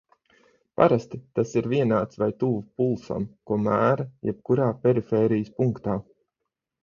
Parasti tas ir vienāds vai tuvu pulsam, ko mēra jebkurā perifērijas punktā.